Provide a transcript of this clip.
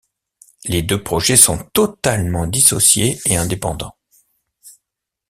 Les deux projets sont totalement dissociés et indépendants.